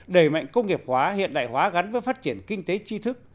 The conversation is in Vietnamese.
đẩy mạnh công nghiệp hóa hiện đại hóa gắn với phát triển kinh tế chi thức